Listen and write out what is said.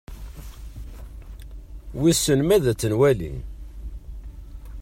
Wissen ma ad tt-nwali?